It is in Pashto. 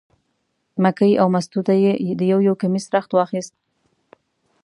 مکۍ او مستو ته یې د یو یو کمیس رخت واخیست.